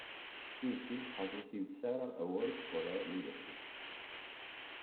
Giusti has received several awards for her leadership.